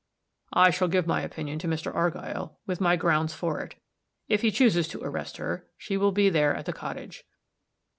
I shall give my opinion to Mr. Argyll, with my grounds for it; if he chooses to arrest her, she will be there at the cottage.